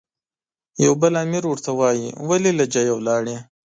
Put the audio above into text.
یو بل امیر ورته وایي، ولې له ځایه ولاړې؟